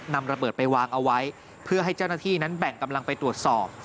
นำระเบิดไปวางเอาไว้เพื่อให้เจ้าหน้าที่นั้นแบ่งกำลังไปตรวจสอบ